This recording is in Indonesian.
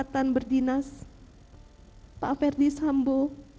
hai betul itu